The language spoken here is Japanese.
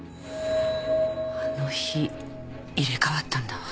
あの日入れ替わったんだわ。